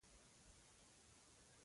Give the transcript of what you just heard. سوالګر له خدای سره تړاو لري